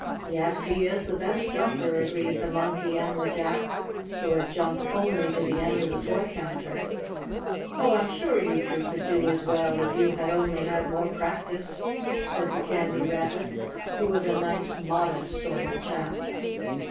"Yes, he is the best jumper," agreed the Monkey and the Jack, who had jumped only to the end of the toy counter. "Oh, I'm sure you two could do as well if you had only had more practice," said the Candy Rabbit, who was a nice, modest sort of chap.